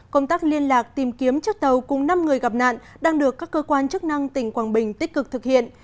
công tác liên lạc tìm kiếm chiếc tàu cùng năm người gặp nạn đang được các cơ quan chức năng tỉnh quảng bình tích cực thực hiện